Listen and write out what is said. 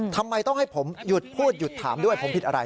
ทำไมต้องให้ผมหยุดพูดหยุดถามด้วยผมผิดอะไร